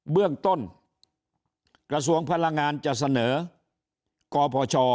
เบื้องต้นกระทรวงพลังงานจะเสนอกพช